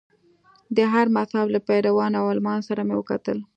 د هر مذهب له پیروانو او عالمانو سره مې وکتل.